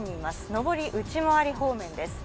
上り内回り方面です。